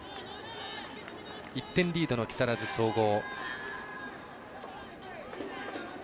１点リードの木更津総合。